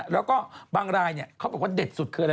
แล้วก็บางรายเขาบอกว่าเด็ดสุดคืออะไร